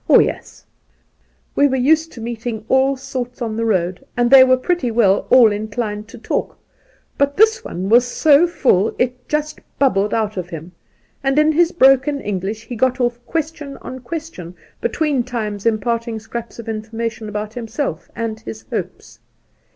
Oh yes !' We were used to meeting all sorts on the road, and they were pretty well all inclined to talk ; but this one was so fuU it just bubbled out of him, and in his broken English he got off question on ques tion, between times imparting scraps of information about himself and his hopes.